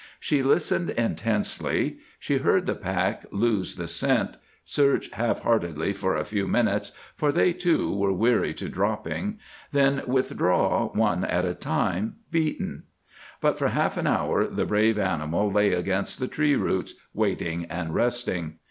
She listened intensely. She heard the pack lose the scent, search half heartedly for a few minutes, for they, too, were weary to dropping, then withdraw one at a time, beaten. But for half an hour the brave animal lay against the tree roots, waiting and resting.